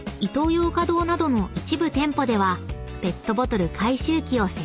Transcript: ヨーカドーなどの一部店舗ではペットボトル回収機を設置］